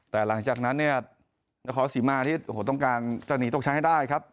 แต่หลังจากนั้นเนี่ยนครศรีมาที่ต้องการจะหนีตกชั้นให้ได้ครับ